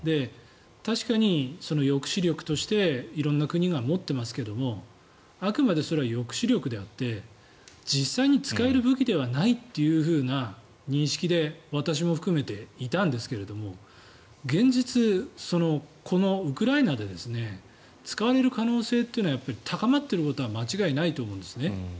確かに抑止力として色んな国が持ってますけどもあくまでそれは抑止力であって実際に使える武器ではないっていうふうな認識で私も含めていたんですが現実、このウクライナで使われる可能性というのは高まっていることは間違いないと思うんですね。